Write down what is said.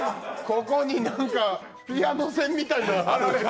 ここに、なんかピアノ線みたいな。